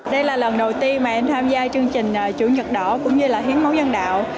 đây là lần đầu tiên mà em tham gia chương trình chủ nhật đỏ cũng như là hiến máu nhân đạo